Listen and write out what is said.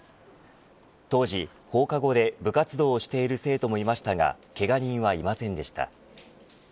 当時、放課後で部活動をしている生徒もいましたがけが人はいませんでした。